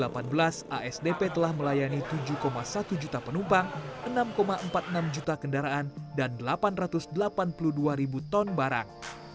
asdp telah melayani tujuh satu juta penumpang enam empat puluh enam juta kendaraan dan delapan ratus delapan puluh dua ribu ton barang